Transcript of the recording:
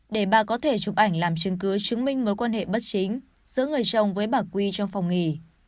để bà có thể chụp ảnh làm chứng cứ chứng minh mối quan hệ bất chính giữa người chồng với bà quy trong phòng nghỉ